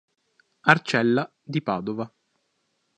Arcella" di Padova.